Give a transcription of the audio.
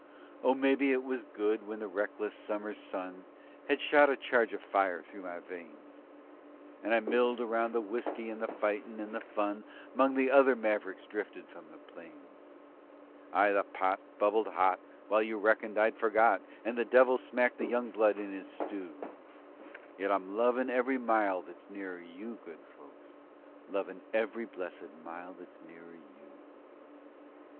Oh, mebbe it was good when the reckless Summer sun Had shot a charge of fire through my veins, And I milled around the whiskey and the fightin' and the fun 'Mong the other mav'ricks drifted from the plains. Ay! the pot bubbled hot, while you reckoned I'd forgot, And the devil smacked the young blood in his stew, Yet I'm lovin' every mile that's nearer you, Good folks, Lovin' every blessed mile that's nearer you.